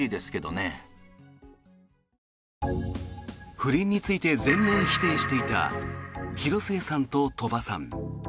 不倫について全面否定していた広末さんと鳥羽さん。